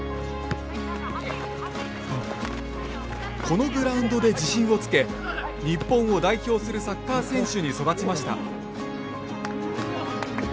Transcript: このグラウンドで自信をつけ日本を代表するサッカー選手に育ちました。